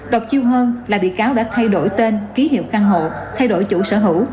độc chiêu hơn là bị cáo đã thay đổi tên ký hiệu căn hộ thay đổi chủ sở hữu